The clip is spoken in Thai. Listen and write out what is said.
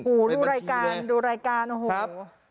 ดูรายการดูรายการโอ้โห